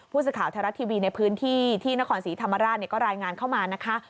ผู้สื่อข่าวไทยรัฐทีวีในพื้นที่ที่นครศรีธรรมราชก็รายงานเข้ามานะคะ